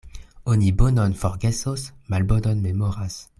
Oni bonon forgesos, malbonon memoras.